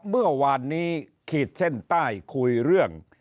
เมื่อวานนี้ขีดเส้นใต้คุยเรื่อง